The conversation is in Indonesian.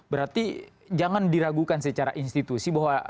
berarti jangan diragukan secara institusi bahwa